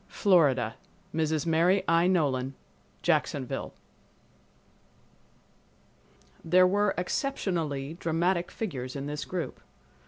Florida—Mrs. Mary I. Nolan, Jacksonville. There were exceptionally dramatic figures in this group.